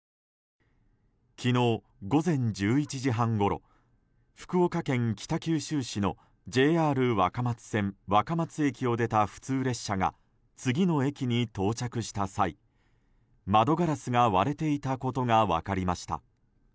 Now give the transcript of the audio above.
昨日午前１１時半ごろ福岡県北九州市のＪＲ若松線若松駅を出た普通列車が次の駅に到着した際窓ガラスが割れていたことが分かりました。